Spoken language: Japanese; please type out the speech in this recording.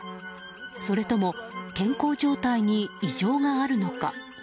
それとも健康状態に異常があるのか。